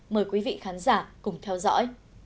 mời quý vị khán giả cùng theo dõi